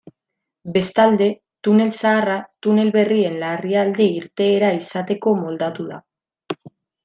Bestalde, tunel zaharra tunel berrien larrialdi-irteera izateko moldatu da.